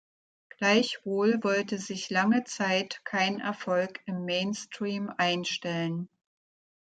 Gleichwohl wollte sich lange Zeit kein Erfolg im Mainstream einstellen.